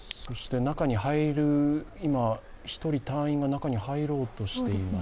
１人隊員が中に入ろうとしています